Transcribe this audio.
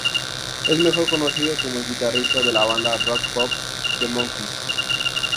Es mejor conocido como el guitarrista de la banda rock pop The Monkees.